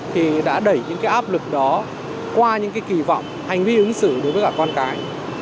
thì đã đẩy những cái áp lực đó qua những cái kỳ vọng hành vi ứng xử đối với cả con cái